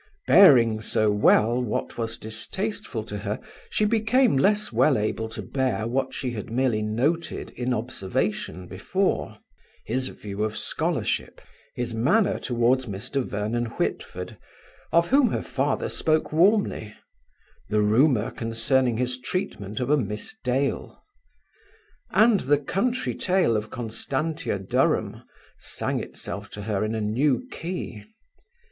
Bearing so well what was distasteful to her, she became less well able to bear what she had merely noted in observation before; his view of scholarship; his manner toward Mr. Vernon Whitford, of whom her father spoke warmly; the rumour concerning his treatment of a Miss Dale. And the country tale of Constantia Durham sang itself to her in a new key.